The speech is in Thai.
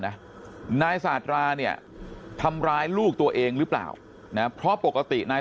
นายสาธาราเนี่ยทำร้ายลูกตัวเองหรือเปล่านะเพราะปกตินาย